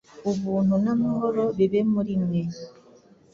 Ubuntu n’amahoro bibe muri mwe,